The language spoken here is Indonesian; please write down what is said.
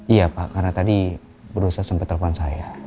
iya pak karena tadi berusaha sampai telepon saya